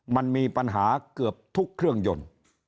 มันมีปัญหาเกือบทุกเครื่องยนต์